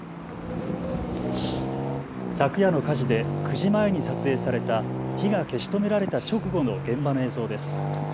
昨夜の火事で９時前に撮影された火が消し止められた直後の現場の映像です。